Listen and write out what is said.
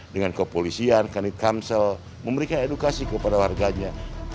dengan kopolisian kredit kamsel memberikan edukasi kepada warganya